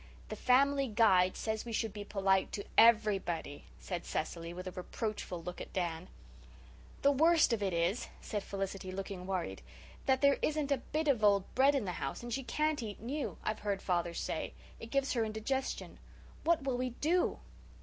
"The Family Guide says we should be polite to EVERYBODY," said Cecily, with a reproachful look at Dan. "The worst of it is," said Felicity, looking worried, "that there isn't a bit of old bread in the house and she can't eat new, I've heard father say. It gives her indigestion. What will we do?"